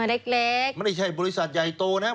เล็กไม่ใช่บริษัทใหญ่โตนะครับ